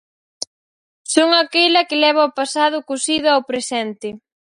Son aquela que leva o pasado cosido ao presente.